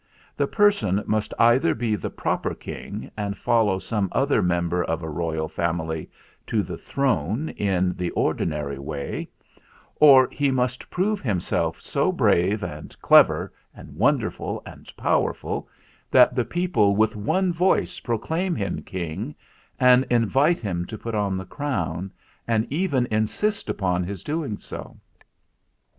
The person must either be the proper King and follow some other member of a royal family to the throne in the ordinary way, or he must prove himself so brave and clever and wonderful and powerful that the people with one voice proclaim him King and invite "SEND FOR CHARLES!" 293 him to put on the crown, and even insist upon his doing so.